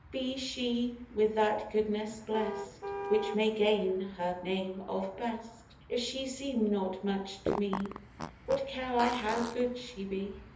Be she with that goodness blest Which may gain her name of Best; If she seem not such to me, What care I how good she be?